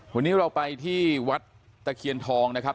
วันนี้เราไปที่วัดตะเคียนทองนะครับ